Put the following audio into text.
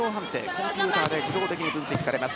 コンピューターで自動的に分析されます。